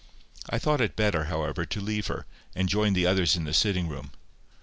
I thought it better, however, to leave her, and join the others in the sitting room.